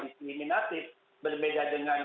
disimilatif berbeda dengan